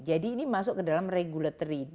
ini masuk ke dalam regulatory